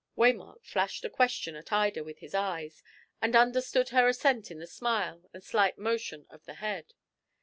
Waymark flashed a question at Ida with his eyes, and understood her assent in the smile and slight motion of the head.